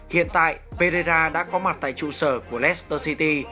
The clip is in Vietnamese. hiện tại pereira đã có mặt tại trụ sở của leicester city